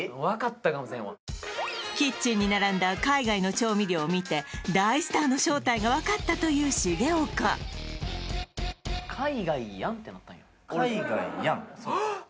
分かったかもせんわキッチンに並んだ海外の調味料を見て大スターの正体が分かったという重岡「海外やん」？